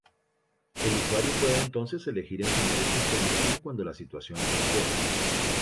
El usuario puede entonces elegir enseñar esta información cuando la situación lo requiera.